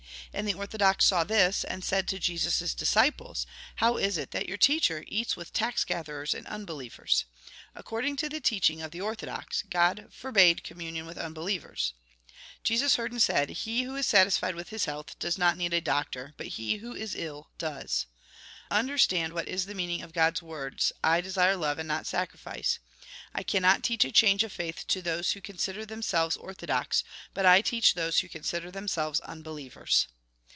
And the orthodox saw this, and said to Jesus' disciples :" How is it that your teacher eats with tax gatherers and unbelievers ?" According to the teaching of the orthodox. God forbade communion witli un 32 THE GOSPEL IN BRIEF believers. Jesus heard, and said :" He who is satisfied with his health does not need a doctor, but he who is ill, does. Understand what is the meaning of God's words :' I desire love and not sacrifice.' I cannot teach a change of faith to those who consider themselves orthodox, but I teach those who consider themselves unbelievers."